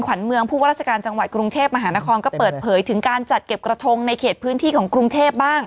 ขวัญเมืองผู้ว่าราชการจังหวัดกรุงเทพมหานครก็เปิดเผยถึงการจัดเก็บกระทงในเขตพื้นที่ของกรุงเทพบ้าง